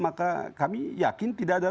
maka kami yakin tidak ada